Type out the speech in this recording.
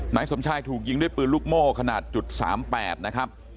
นายสมชายถูกยิงด้วยปืนลูกโม่ขนาด๓๘นะครับ